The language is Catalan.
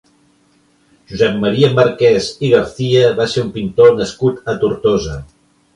Josep Maria Marquès i García va ser un pintor nascut a Tortosa.